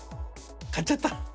買っちゃった！